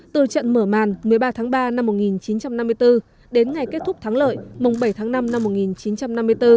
từ trận mở màn một mươi ba tháng ba năm một nghìn chín trăm năm mươi bốn đến ngày kết thúc thắng lợi mùng bảy tháng năm năm một nghìn chín trăm năm mươi bốn